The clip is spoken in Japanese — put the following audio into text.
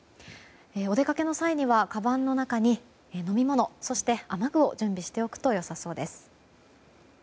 お出かけの際にはかばんの中には飲み物、そして雨具を準備しておくとよさそうです。